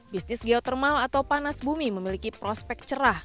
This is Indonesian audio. bisnis geotermal atau panas bumi memiliki prospek cerah